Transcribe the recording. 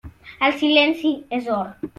El silenci és or.